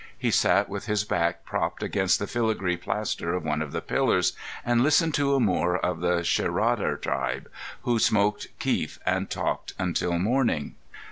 He sat with his back propped against the filigree plaster of one of the pillars, and listened to a Moor of the Sherarda tribe, who smoked keef and talked until morning.